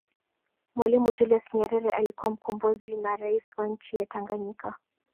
Mwalimu Julius nyerere alikuwa mkombozi na rais wa nchi ya Tanganyika